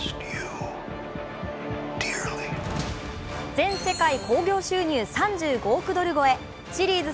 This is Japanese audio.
全世界興行収入３５億ドル超えシリーズ